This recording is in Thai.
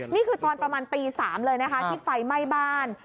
นี่คือตอนประมาณตี๓เลยนะคะที่ไฟไหม้บ้าน